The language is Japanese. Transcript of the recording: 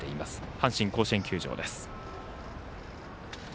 阪神甲子園球場です。